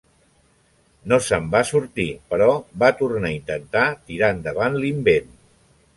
No se'n va sortir, però va tornar a intentar tirar endavant l'invent.